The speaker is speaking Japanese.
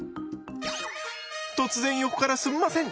突然横からすんません。